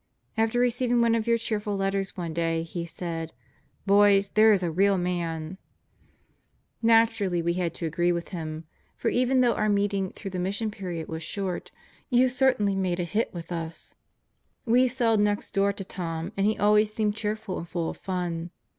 After receiving one of your cheerful letters one day he said: "Boys, there is a real man!" The Dead Live and Work 209 Naturally we had to agree with him, for even though our meeting through the Mission period was short, you certainly made a hit with us. We celled next door to Tom and he always seemed cheerful and full of fun.